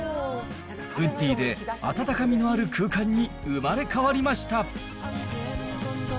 ウッディで温かみのある空間に生まれ変わりました。